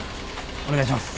お願いします。